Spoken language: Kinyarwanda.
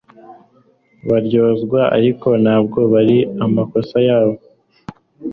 baryozwa, ariko ntabwo ari amakosa yabo